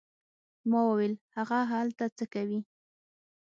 ما وویل: هغه هلته څه کوي؟